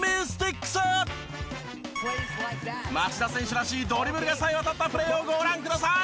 町田選手らしいドリブルがさえ渡ったプレーをご覧ください。